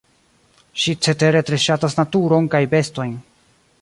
Ŝi cetere tre ŝatas naturon kaj bestojn.